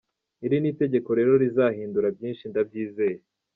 Iri tegeko rero rizahindura byinshi ndabyizeye.